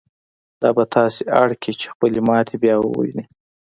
دا به تاسې اړ کړي چې خپلې ماتې بيا وګورئ.